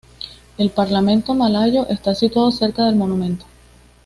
El Parlamento Malayo está situado cerca del monumento.